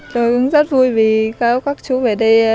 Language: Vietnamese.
tôi rất vui vì các chú về đây